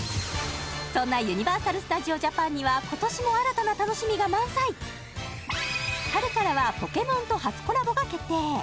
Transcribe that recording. そんなユニバーサル・スタジオ・ジャパンには今年も新たな楽しみが満載春からは「ポケモン」と初コラボが決定